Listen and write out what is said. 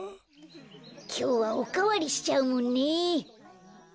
きょうはおかわりしちゃうもんね。